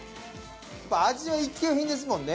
やっぱ味は一級品ですもんね